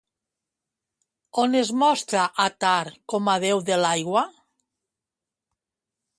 On es mostra Athtar com a déu de l'aigua?